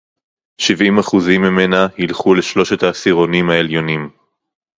שבעים אחוזים ממנה ילכו לשלושת העשירונים העליונים